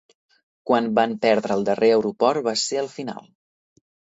Quan van perdre el darrer aeroport va ser el final.